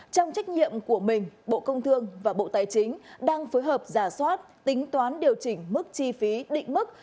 trong trách nhiệm của mình bộ công thương và bộ tài chính đang phối hợp giả soát tính toán điều chỉnh mức chi phí định mức